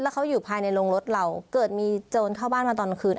แล้วเขาอยู่ภายในโรงรถเราเกิดมีโจรเข้าบ้านมาตอนคืน